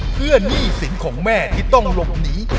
เพื่อหนี้สินของแม่ที่ต้องหลบหนี